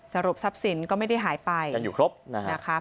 สรุปทรัพย์สินก็ไม่ได้หายไปยังอยู่ครบนะคะ